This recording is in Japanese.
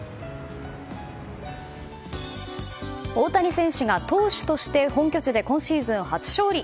大谷選手が投手として本拠地で今シーズン初勝利。